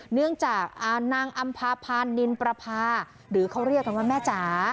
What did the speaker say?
เนื่องจากนางอำพาพันธ์นินประพาหรือเขาเรียกกันว่าแม่จ๋า